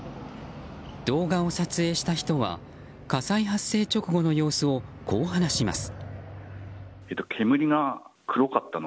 動画を撮影した人は火災発生直後の様子をこう話します。